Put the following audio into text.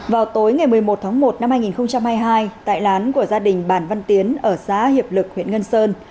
vào tối ngày một mươi một tháng một năm hai nghìn hai mươi hai tại lán của gia đình bản văn tiến ở xã hiệp lực huyện ngân sơn